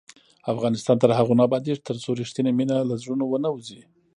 افغانستان تر هغو نه ابادیږي، ترڅو رښتینې مینه له زړونو ونه وځي.